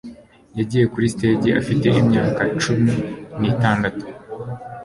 Yagiye kuri stage afite imyaka cumi nitandatu